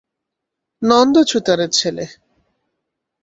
নন্দ ছুতারের ছেলে।